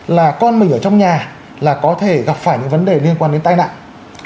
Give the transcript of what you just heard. là con mình ở trong nhà là có thể gặp phải những vấn đề liên quan đến tai nạn